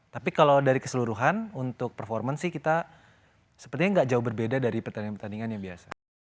tapi kalau dari keseluruhan untuk performance sih kita sepertinya nggak jauh berbeda dari pertandingan pertandingan yang biasa